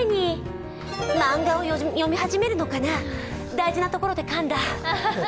大事なところでかんだ！